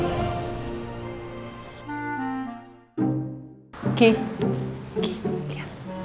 gak usah senyum senyum